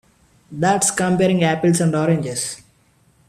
That's comparing apples and oranges.